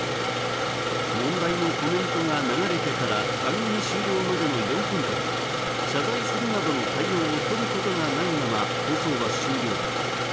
問題のコメントが流れてから番組終了までの４分間、謝罪するなどの対応をとることがないまま放送は終了。